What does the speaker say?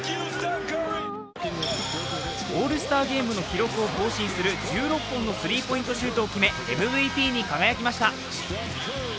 オールスターゲームの記録を更新する１６本のスリーポイントシュートを決め、ＭＶＰに輝きました。